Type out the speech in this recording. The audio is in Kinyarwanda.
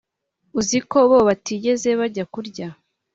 uziko bo batigeze bajya kurya